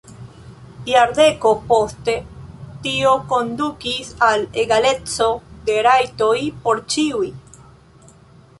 Jardeko poste tio kondukis al egaleco de rajtoj por ĉiuj.